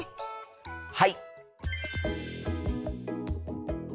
はい！